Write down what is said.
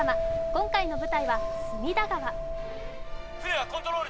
今回の舞台は隅田川。